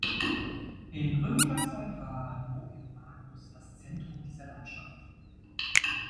In römischer Zeit war Noviomagus das Zentrum dieser Landschaft.